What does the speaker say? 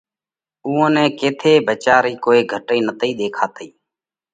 اُوئا نئہ ڪٿي ڀچيا رئي ڪوئي گھٽئِي نتئِي ۮيکاتئِي۔